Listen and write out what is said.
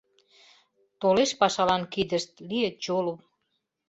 Толеш пашалан кидышт, лийыт чулым